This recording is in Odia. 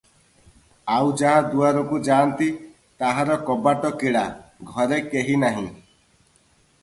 ଆଉ ଯାହା ଦୁଆରକୁ ଯା'ନ୍ତି, ତାହାର କବାଟ କିଳା, ଘରେ କେହି ନାହିଁ ।